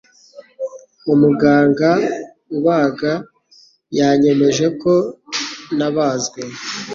Umuganga ubaga yanyemeje ko nabazwe.